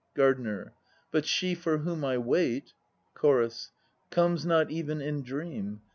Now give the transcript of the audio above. GARDENER. But she for whom I wait CHORUS. Comes not even in dream.